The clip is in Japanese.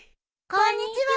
こんにちは。